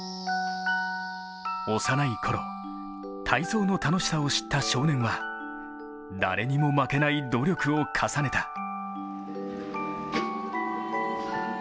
体操の楽しさを知った少年は誰にも負けない努力を重ねた。